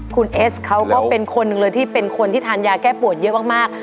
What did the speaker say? คุณเอสเขาเป็นคนที่ทานยาแก้ปวดเยอะมาก